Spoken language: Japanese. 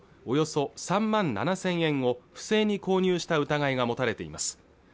およそ３万７０００円を不正に購入した疑いが持たれています